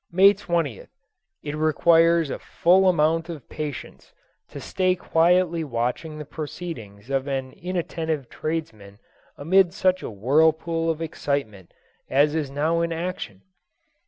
May 20th. It requires a full amount of patience to stay quietly watching the proceedings of an inattentive tradesman amid such a whirlpool of excitement as is now in action.